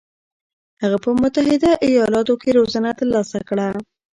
هغه په متحده ایالاتو کې روزنه ترلاسه کړه.